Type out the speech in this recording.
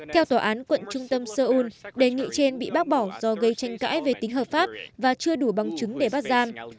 theo tòa án quận trung tâm seoul đề nghị trên bị bác bỏ do gây tranh cãi về tính hợp pháp và chưa đủ bằng chứng để bắt giam